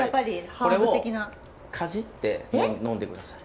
これをかじって呑んでください。